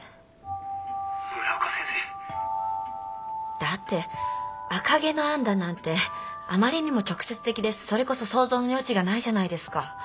だって「赤毛のアン」だなんてあまりにも直接的でそれこそ想像の余地がないじゃないですか。